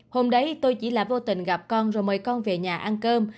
hôm đấy tôi chỉ là vô tình gặp con rồi mời con về nhà ăn cơm